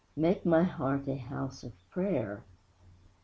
'_Make my heart a house of prayer!